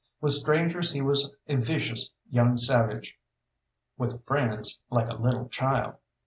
With strangers he was a vicious young savage; with friends, like a little child.